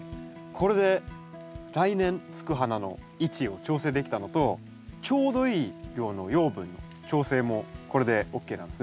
これで来年つく花の位置を調整できたのとちょうどいい量の養分の調整もこれでＯＫなんですね。